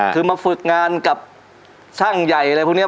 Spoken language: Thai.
คือมาฝึกงานกับช่างใหญ่อะไรพวกนี้